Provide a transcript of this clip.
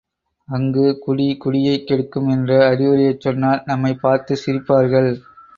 அங்கு குடி குடியைக் கெடுக்கும் என்ற அறிவுரையைச் சொன்னால் நம்மைப் பார்த்துச் சிரிப்பார்கள்.